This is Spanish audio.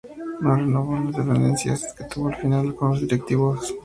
No renovó por las desavenencias que tuvo al final con los directivos.